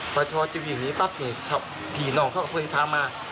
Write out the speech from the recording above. พ่อเจ้าพี่นี้ปั๊บเนี่ยเดี๋ยวพี่น้องเขาก็เฮ้ยพามา